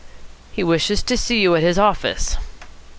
"He wishes to see you at his office."